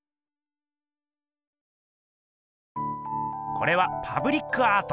これはパブリックアート。